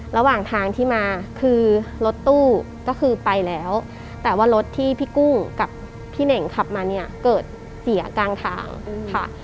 ระหว่างทางที่มาคือรถตู้ก็คือไปแล้วแต่ว่ารถที่พี่กุ้งกับพี่เน่งขับมาเนี่ยเกิดเสียกลางทางค่ะ